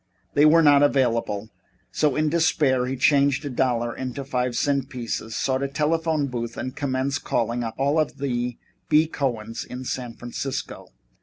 They were not available, so in despair he changed a dollar into five cent pieces, sought a telephone booth and commenced calling up all the B. Cohens in San Francisco.